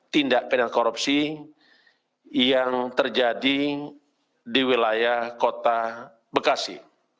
tindak pidana korupsi yang terjadi di wilayah kota bekasi